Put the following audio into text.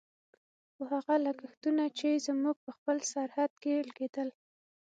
خو هغه لګښتونه چې زموږ په خپل سرحد کې لګېدل.